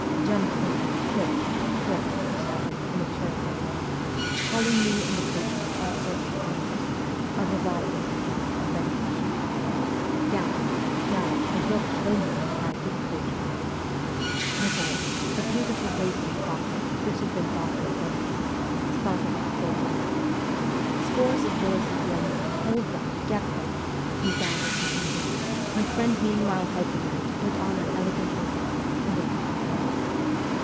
' Jump in, quick, quick !' he shouted in a terrible voice, calling me and the coachman all sorts of names, a revolver in his hand and ready to shoot. ' Gallop ! gallop ! I will kill you !' he cried to the coachman. THE ESCAPE 175 The horse a beautiful racing trotter, which had been bought on purpose started at full gallop. Scores of voices yelling, ' Hold them ! Get them !' resounded behind us, my friend meanwhile helping me to put on an elegant overcoat and an opera hat.